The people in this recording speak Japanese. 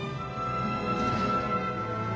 うん。